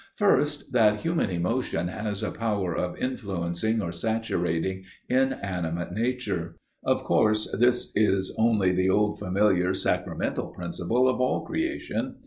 "First, that human emotion has a power of influencing or saturating inanimate nature. Of course this is only the old familiar sacramental principle of all creation.